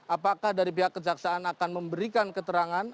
apakah dari pihak kejaksaan akan memberikan keterangan